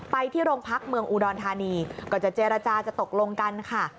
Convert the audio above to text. ไปที่โรงพักเมืองอุดรธานีก่อนจะเจรจาจะตกลงกันค่ะ